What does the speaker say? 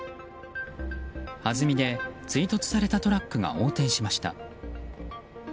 はずみで、追突されたトラックが横転しました。